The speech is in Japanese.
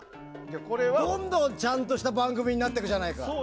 どんどんちゃんとした番組になっていくじゃないか。